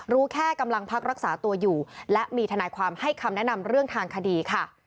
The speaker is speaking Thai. รู้แค่กำลังพักรักษาตัวอยู่และมีทนายความให้คำแนะนำเรื่องทางคดีค่ะ